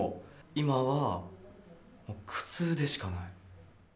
今は、もう苦痛でしかない。